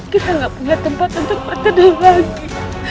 kita nggak punya tempat untuk berteduh lagi